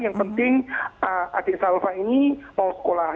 yang penting adik salva ini mau sekolah